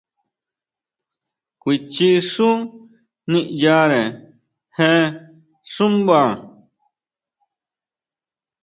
Kuichi xú niyare je xúmba?